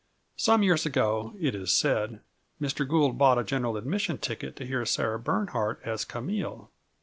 Some years ago, it is said, Mr. Gould bought a general admission ticket to hear Sarah Bernhardt as Camille.